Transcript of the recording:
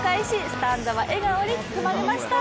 スタンドは笑顔に包まれました。